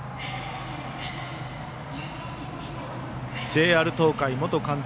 ＪＲ東海元監督